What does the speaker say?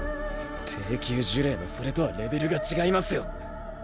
低級呪霊のそれとはレベルが違いますよ。